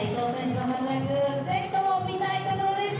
ぜひとも見たいところです。